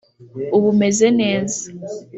ubu meze neza